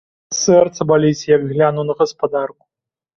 Сэрца баліць, як гляну на гаспадарку.